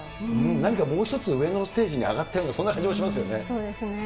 何かもう一つ上のステージに上がったような、そんな感じもしそうですね。